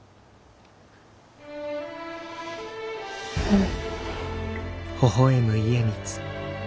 うん。